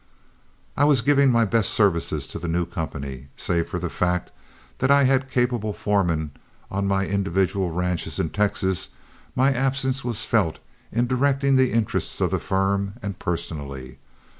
I was giving my best services to the new company. Save for the fact that I had capable foremen on my individual ranches in Texas, my absence was felt in directing the interests of the firm and personally.